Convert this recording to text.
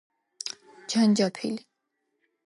ჯანჯაფილი